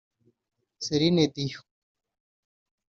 Celine Dion